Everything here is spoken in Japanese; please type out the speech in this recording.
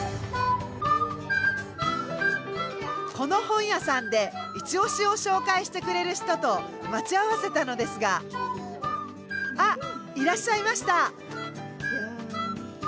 この本屋さんでいちオシを紹介してくれる人と待ち合わせたのですがあいらっしゃいました！